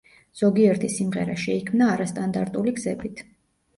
ზოგიერთი სიმღერა შეიქმნა არასტანდარტული გზებით.